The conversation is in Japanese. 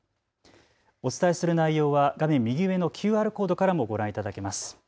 お伝えする内容は画面右上のＱＲコードからもご覧いただけます。